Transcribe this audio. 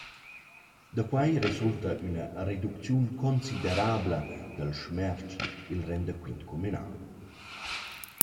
Da quai resulta üna reducziun considerabla dal schmertsch i’l rendaquint cumünal.